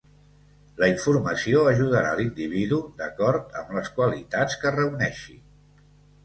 La informació ajudarà l’individu d’acord amb les qualitats que reuneixi.